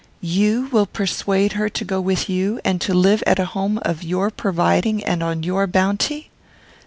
"You will persuade her to go with you, and to live at a home of your providing and on your bounty?"